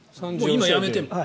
今やめても。